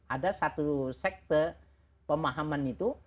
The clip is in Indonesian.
ada satu sekte pemahaman itu